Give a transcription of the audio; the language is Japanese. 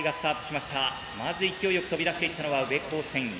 まず勢いよく飛び出していったのは宇部高専Ａ。